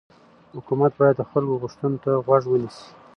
حکومت باید د خلکو غوښتنو ته غوږ ونیسي